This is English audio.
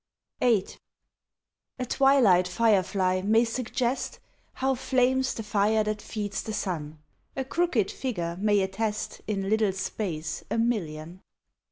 VIII A twilight fire fly may suggest How flames the fire that feeds the sun: "A crooked figure may attest In little space a million."